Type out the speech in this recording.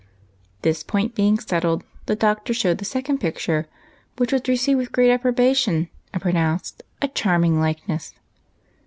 This point being settled, the Doctor showed the second picture, which was received with great approbation, and pronounced a " charming likeness."